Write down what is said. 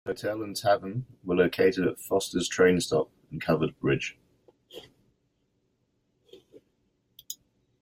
The hotel and tavern were located at Foster's train stop and covered bridge.